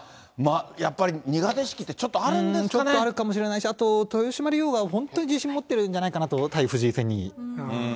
やっぱり苦手意識ってちょっとあちょっとあるかもしれないし、あと豊島竜王が本当に自信持ってるんじゃないかなと、対藤井戦に。